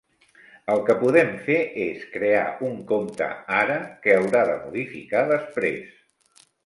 El que podem fer és crear un compte ara que haurà de modificar després.